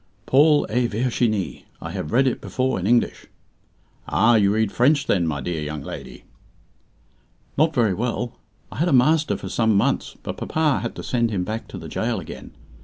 "'Paul et Virginie'. I have read it before in English." "Ah, you read French, then, my dear young lady?" "Not very well. I had a master for some months, but papa had to send him back to the gaol again.